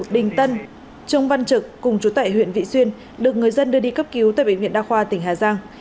đình tân trung văn trực cùng chú tại huyện vị xuyên được người dân đưa đi cấp cứu tại bệnh viện đa khoa tỉnh hà giang